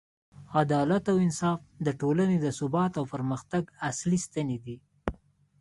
عدالت او انصاف د ټولنې د ثبات او پرمختګ اصلي ستنې دي.